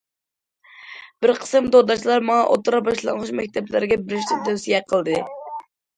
بىر قىسىم تورداشلار ماڭا ئوتتۇرا- باشلانغۇچ مەكتەپلەرگە بېرىشنى تەۋسىيە قىلدى.